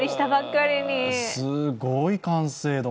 すごい完成度。